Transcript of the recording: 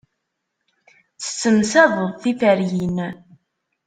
Tessemsadeḍ tiferyin.